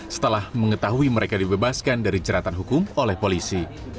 setelah mengetahui mereka dibebaskan dari jeratan hukum oleh polisi